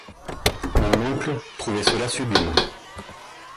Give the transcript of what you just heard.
Mon oncle trouvait cela sublime.